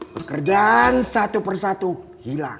pekerjaan satu persatu hilang